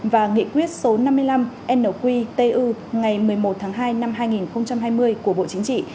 và nghị quyết số năm mươi năm nqtu ngày một mươi một tháng hai năm hai nghìn hai mươi của bộ chính trị